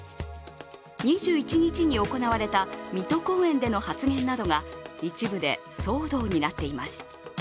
２１日に行われた水戸公演での発言などが一部で騒動になっています。